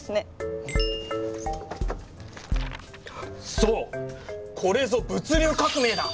そうこれぞ物流革命だ！